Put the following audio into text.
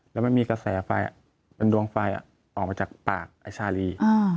แล้วมันมีกระแสไฟเป็นดวงไฟออกมาจากปากไอ้ชาลี